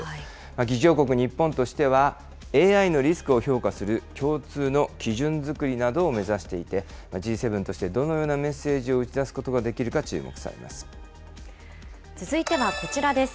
議長国、日本としてはＡＩのリスクを評価する共通の基準作りなどを目指していて、Ｇ７としてどのようなメッセージを打ち出すことができるかが注目続いてはこちらです。